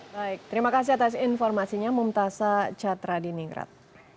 baik terima kasih atas informasinya mumtazah catradiningrat